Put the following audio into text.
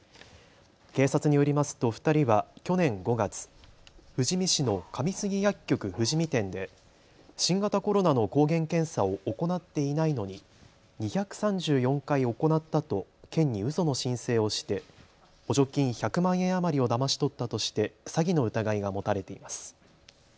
警察によりますと２人は去年５月、富士見市の上杉薬局富士見店で新型コロナの抗原検査を行っていないのに２３４回行ったと県にうその申請をして補助金１００万円余りをだまし取ったとして詐欺の疑いが持たれています。